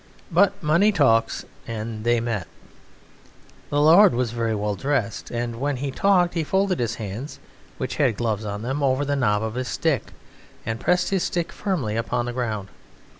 But money talks, and they met. The lord was very well dressed, and when he talked he folded his hands (which had gloves on them) over the knob of his stick and pressed his stick firmly upon the ground.